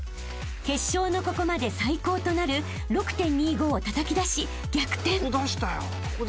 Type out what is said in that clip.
［決勝のここまで最高となる６．２５をたたき出し逆転！］